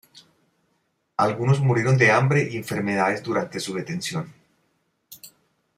Algunos murieron de hambre y enfermedades durante su detención.